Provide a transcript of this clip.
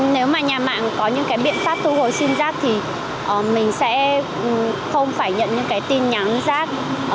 nếu mà nhà mạng có những cái biện pháp thu hồi sim giác thì mình sẽ không phải nhận những cái tin nhắn rác